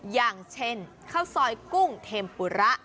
อย่างเช่นข้าวซอยกุ้งเทมปุระ